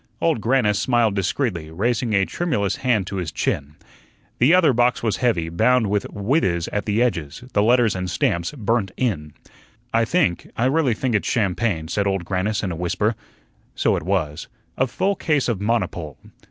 Old Grannis smiled discreetly, raising a tremulous hand to his chin. The other box was heavy, bound with withes at the edges, the letters and stamps burnt in. "I think I really think it's champagne," said Old Grannis in a whisper. So it was. A full case of Monopole.